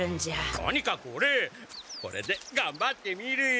とにかくオレこれでがんばってみるよ。